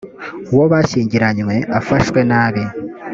uwo bashyingiranywe afashwe nabi